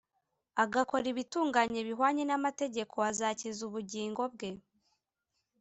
agakora ibitunganye bihwanye n’amategeko, azakiza ubugingo bwe